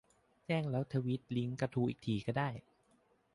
แจ้งแล้วทวีตลิงก์กระทู้อีกทีก็ได้